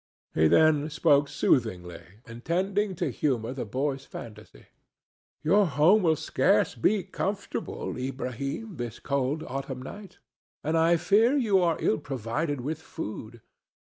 He then spoke soothingly, intending to humor the boy's fantasy: "Your home will scarce be comfortable, Ilbrahim, this cold autumn night, and I fear you are ill provided with food.